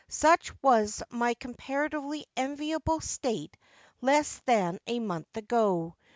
Such was my comparatively enviable state less than a month ago.